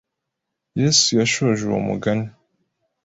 Yesu yashoje uwo mugani